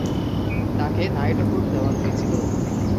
তাকে নাইটহুড দেওয়া হয়েছিল।